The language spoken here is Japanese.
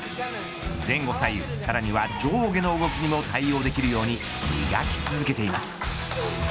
前後左右さらには上下の動きにも対応できるように磨き続けています。